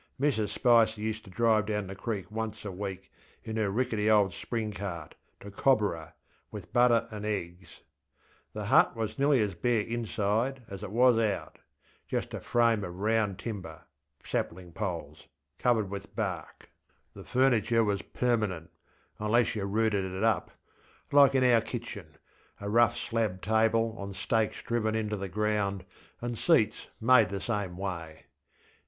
Mrs Spicer used to drive down the creek once a week, in her rickety old spring cart, to Cobborah, with butter and eggs. The hut was nearly as bare inside as it was outŌĆöjust a frame of ŌĆśround timberŌĆÖ (sapling poles) covered with bark. The furniture was permanent (unless you rooted it up), like in our kitchen: a rough slab table on stakes driven into the ground, and seats made the same way.